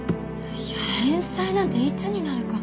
いや返済なんていつになるか。